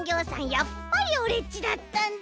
やっぱりオレっちだったんだ。